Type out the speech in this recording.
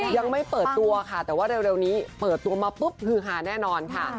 ยังไม่เปิดตัวค่ะแต่ว่าเร็วนี้เปิดตัวมาปุ๊บฮือฮาแน่นอนค่ะ